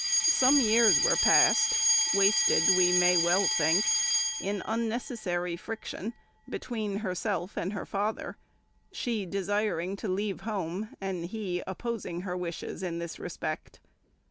Some years were passed (wasted, we well may think) in unnecessary friction between herself and her father, she desiring to leave home, and he opposing her wishes in this respect.